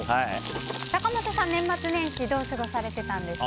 坂本さん、年末年始はどう過ごされてたんですか。